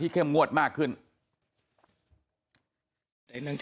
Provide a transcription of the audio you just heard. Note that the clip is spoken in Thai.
เข้มงวดมากขึ้น